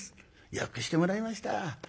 よくしてもらいました。